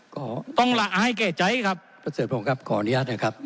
ก็ต้องละอายแก่ใจครับประเสริฐพงศ์ครับขออนุญาตนะครับ